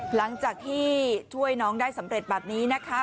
หลังจากที่ช่วยน้องได้สำเร็จแบบนี้นะคะ